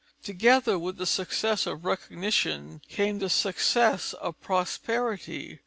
Together with the success of recognition came the success of prosperity.